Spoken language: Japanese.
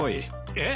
えっ？